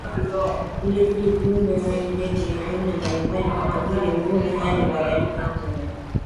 Vile vile viumbe hai ndege wa aina mbalimbali kama vile mbuni Hali kadhalika kuna